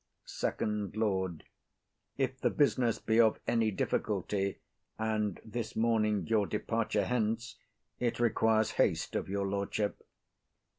SECOND LORD. If the business be of any difficulty and this morning your departure hence, it requires haste of your lordship.